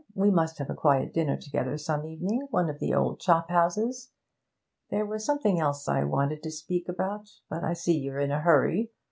We must have a quiet dinner together some evening; one of the old chop houses. There was something else I wanted to speak about, but I see you're in a hurry.